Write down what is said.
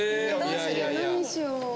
何にしよう？